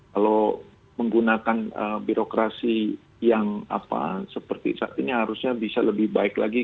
kalau menggunakan birokrasi yang seperti saat ini harusnya bisa lebih baik lagi